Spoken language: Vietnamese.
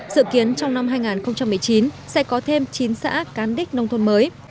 dự kiến trong năm hai nghìn một mươi chín sẽ có thêm chín xã cán đích nông thôn mới